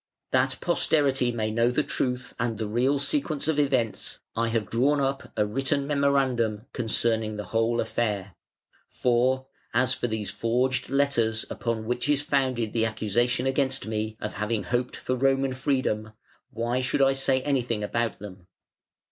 That posterity may know the truth and the real sequence of events, I have drawn up a written memorandum concerning the whole affair. For, as for these forged letters upon which is founded the accusation against me of having hoped for Roman freedom, why should I say anything about them?